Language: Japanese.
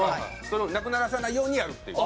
それをなくならさないようにやるっていう。